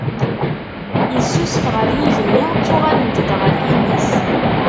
Yessusuf ɣer yigenni ttuɣalent-d ɣer yimi-s